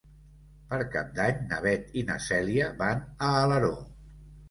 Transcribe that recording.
Per Cap d'Any na Beth i na Cèlia van a Alaró.